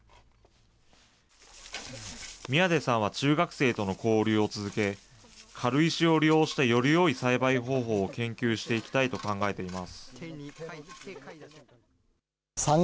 宮出さんは中学生との交流を続け、軽石を利用したよりよい栽培方法を研究していきたいと考えています。